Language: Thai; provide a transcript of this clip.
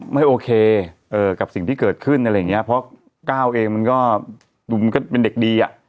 ไม่โอเคกับสิ่งที่เกิดขึ้นอะไรอย่างเงี้ยเพราะก้าวเองมันก็ดูมันก็เป็นเด็กดีอ่ะ